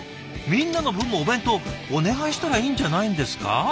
みんなの分もお弁当お願いしたらいいんじゃないんですか？